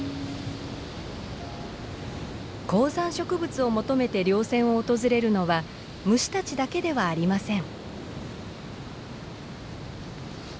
高山植物を求めて稜線を訪れるのは虫たちだけではありません。